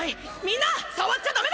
みんな触っちゃダメだ！